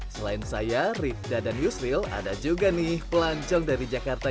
selain saya rifda dan yusril ada juga nih pelancong dari jakarta